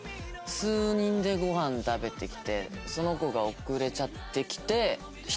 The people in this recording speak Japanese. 数人でご飯食べてきてその子が遅れちゃってきて。